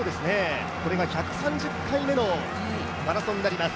これが１３０回目のマラソンになります。